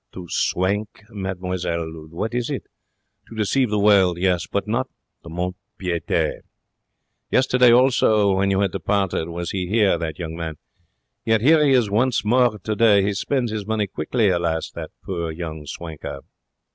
To swank, mademoiselle, what is it? To deceive the world, yes. But not the mont de piete. Yesterday also, when you had departed, was he here, that young man. Yet here he is once more today. He spends his money quickly, alas! that poor young swanker.'